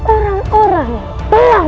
orang orang yang telah